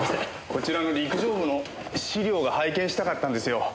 こちらの陸上部の資料が拝見したかったんですよ。